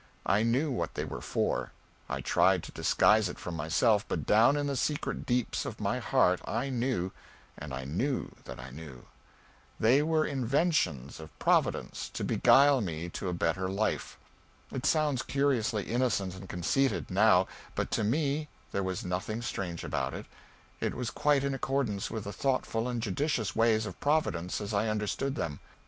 I knew what they were for. I tried to disguise it from myself, but down in the secret deeps of my heart I knew and I knew that I knew. They were inventions of Providence to beguile me to a better life. It sounds curiously innocent and conceited, now, but to me there was nothing strange about it; it was quite in accordance with the thoughtful and judicious ways of Providence as I understood them.